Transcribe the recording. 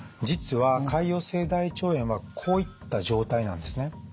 実は潰瘍性大腸炎はこういった状態なんですね。